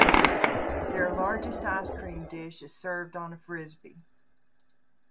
Their largest ice cream dish is served on a frisbee.